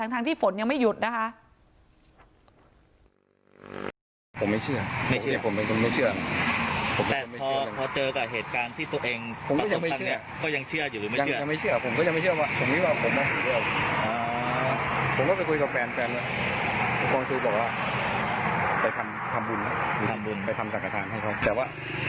ทั้งที่ฝนยังไม่หยุดนะคะ